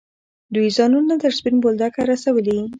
دوی ځانونه تر سپین بولدکه رسولي.